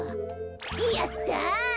やった。